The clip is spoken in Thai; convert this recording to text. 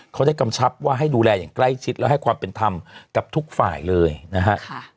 เขาได้กำชับว่าให้ดูแลอย่างใกล้ชิดและให้ความเป็นธรรมกับทุกฝ่ายเลยนะฮะ